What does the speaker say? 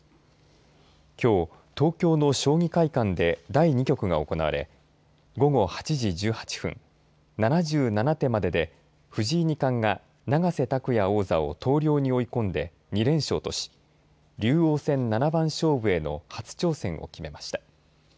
きょう、東京の将棋会館で第２局が行われ午後８時１８分７７手までで藤井二冠が永瀬拓矢王座を投了に追い込んで２連勝とし竜王戦七番勝負への初挑戦を決めました。